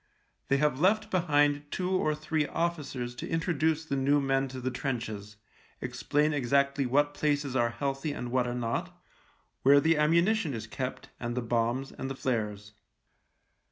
They have left behind two or three officers to intro duce the new men to the trenches, explain exactly what places are healthy and what are not — where the ammunition is kept, and the bombs, and the flares.